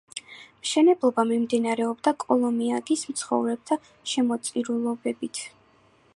მშენებლობა მიმდინარეობდა კოლომიაგის მცხოვრებთა შემოწირულობებით.